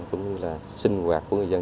cũng như là sinh hoạt của người dân